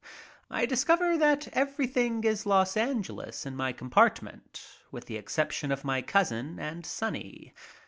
I discover that everything is Los Angeles in my compart ment, with the exception of my cousin and Sonny.